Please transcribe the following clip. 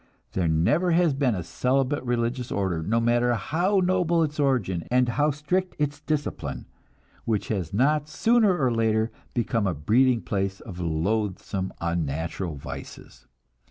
There never has been a celibate religious order, no matter how noble its origin and how strict its discipline, which has not sooner or later become a breeding place of loathsome unnatural vices.